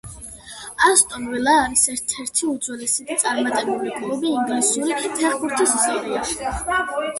ასტონ ვილა არის ერთ-ერთი უძველესი და წარმატებული კლუბი ინგლისური ფეხბურთის ისტორიაში.